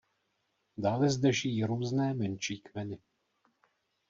Dále zde žijí různé menší kmeny.